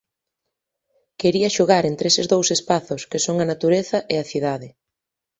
Quería xogar entre eses dous espazos que son a natureza e a cidade.